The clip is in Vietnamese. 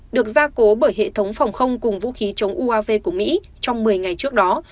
được gia cố bởi hệ thống phòng không cùng vũ khí chống uav của mỹ trong một mươi ngày trước đó